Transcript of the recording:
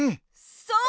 そう！